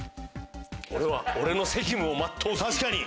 俺は俺の責務を全うする！